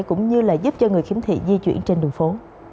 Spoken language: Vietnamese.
cũng như là giúp cho người khiếm thị di chuyển trên đường phố